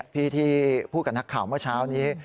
พี่ที่พูดกับนักข่าวเมื่อเช้านี้